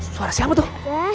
suara siapa tuh